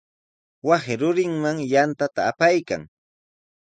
Wasi rurinman yantata apaykan.